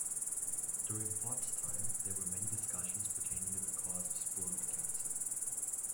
During Pott's time, there were many discussions pertaining to the cause of scrotal cancer.